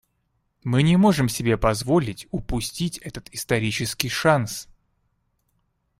Мы не можем себе позволить упустить этот исторический шанс.